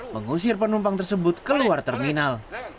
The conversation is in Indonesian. mengusir penumpang tersebut keluar terminal